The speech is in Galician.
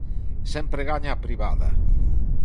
Sempre gaña a privada.